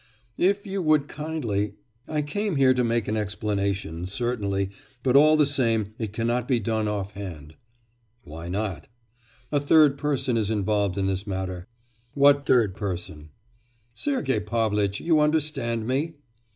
'If you would kindly... I came here to make an explanation, certainly, but all the same it cannot be done off hand.' 'Why not?' 'A third person is involved in this matter.' 'What third person?' 'Sergei Pavlitch, you understand me?